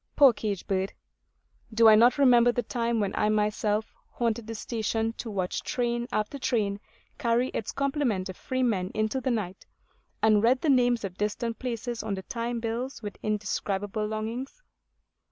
Poor cage bird! Do I not remember the time when I myself haunted the station, to watch train after train carry its complement of freemen into the night, and read the names of distant places on the time bills with indescribable longings?